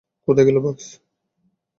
কোথায় গেল বাক্স?